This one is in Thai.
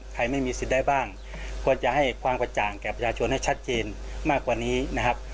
ไม่มีสิทธิ์ได้บ้างควรจะให้ความกระจ่างแก่ประชาชนให้ชัดเจนมากกว่านี้นะครับ